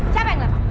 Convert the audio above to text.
siapa yang melempar